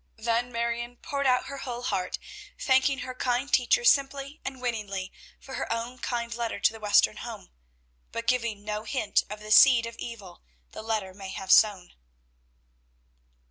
Then Marion poured out her whole heart, thanking her kind teacher simply and winningly for her own kind letter to the Western home, but giving no hint of the seed of evil the letter may have sown.